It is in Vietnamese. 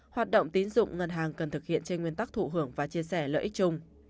hoạt động tín dụng ngân hàng cần thực hiện trên nguyên tắc thụ hưởng và chia sẻ lợi ích chung